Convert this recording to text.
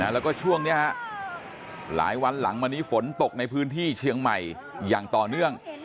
แล้วก็ช่วงนี้หลายวันหลังมานี้ฝนตกในพื้นที่เชียงใหม่อย่างต่อเนื่อง